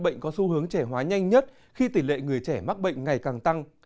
khiến bệnh có xu hướng trẻ hóa nhanh nhất khi tỉ lệ người trẻ mắc bệnh ngày càng tăng